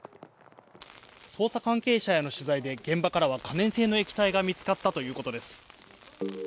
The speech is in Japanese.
捜査関係者への取材で現場からは可燃性の液体が見つかったということです。